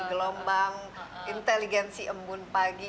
gelombang inteligensi embun pagi